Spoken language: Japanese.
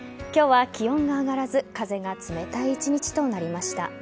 今日は、気温が上がらず風が冷たい１日となりました。